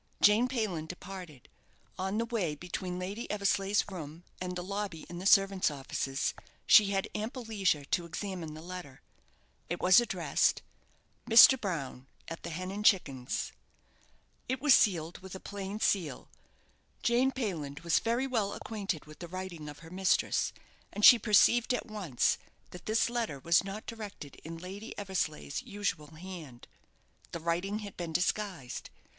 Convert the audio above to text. Jane Payland departed. On the way between Lady Eversleigh's room and the lobby in the servants' offices, she had ample leisure to examine the letter. It was addressed "Mr. Brown, at the 'Hen and Chickens.'" It was sealed with a plain seal. Jane Payland was very well acquainted with the writing of her mistress, and she perceived at once that this letter was not directed in Lady Eversleigh's usual hand. The writing had been disguised.